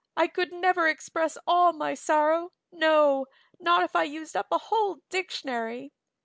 "I could never express all my sorrow, no, not if I used up a whole dictionary.